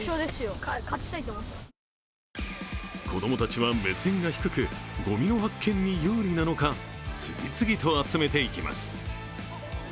子供たちは目線が低くごみの発見に有利なのか次々と集めていきます。